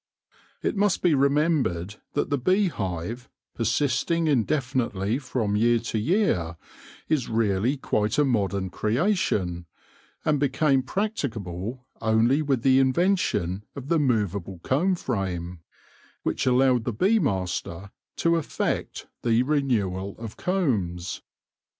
It must be remembered that the bee hive, persisting indefinitely from year to year, is really quite a modern creation, and became practicable only with the invention of the movable comb frame, which allowed the bee master to effect the renewal of combs.